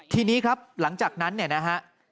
ทีนี้ครับหลังจากนั้นเนี่ยนะฮะ